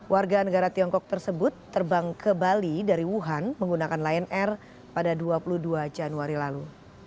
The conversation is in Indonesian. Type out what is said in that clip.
warga negara tiongkok tersebut terbang ke bali dari wuhan menggunakan lion air pada dua puluh dua januari lalu